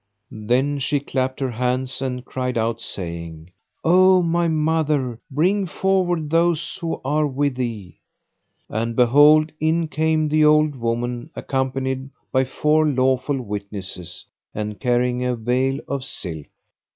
Then she clapped her hands and cried out, saying, "O my mother, bring forward those who are with thee." And behold, in came the old woman accompanied by four lawful witnesses, and carrying a veil of silk.